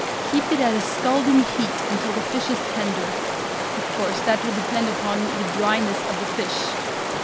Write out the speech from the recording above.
Keep it at a scalding heat until the fish is tender. Of course that will depend upon the dryness of the fish.